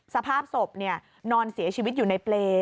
สภาพศพนอนเสียชีวิตอยู่ในเปรย์